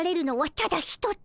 ただ一つ？